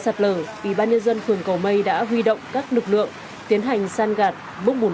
các hộ dân phố cũng như an phan nam hỗ trợ máy